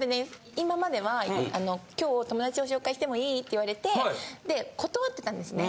今までは「今日友達を紹介してもいい？」って言われてで断ってたんですね。